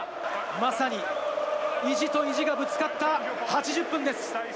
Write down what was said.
まさに意地と意地がぶつかった８０分です。